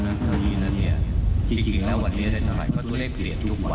นั่นคือวันเนี้ยที่เดียวนี้